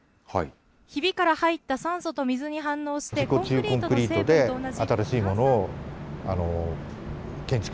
ひびから入った酸素と水に反応して、コンクリートの成分と同じ。